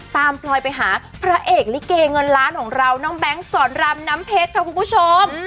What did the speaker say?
พลอยไปหาพระเอกลิเกเงินล้านของเราน้องแบงค์สอนรามน้ำเพชรค่ะคุณผู้ชม